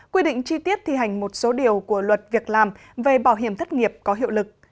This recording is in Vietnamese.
quy định chi tiết thi hành một số điều của luật việc làm về bảo hiểm thất nghiệp có hiệu lực